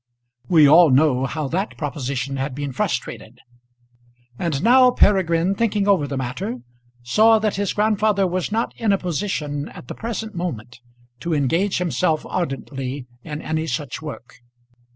We all know how that proposition had been frustrated. And now Peregrine, thinking over the matter, saw that his grandfather was not in a position at the present moment to engage himself ardently in any such work.